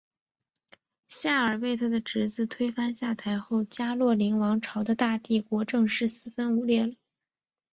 夏尔被他的侄子推翻下台后加洛林王朝的大帝国正式四分五裂了。